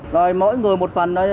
rồi mỗi người một phần